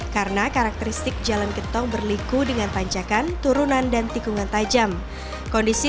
karena karakteristik jalan gentong berliku dengan pancakan turunan dan tikungan tajam kondisi